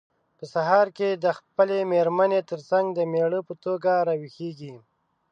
په سهار کې د خپلې مېرمن ترڅنګ د مېړه په توګه راویښیږي.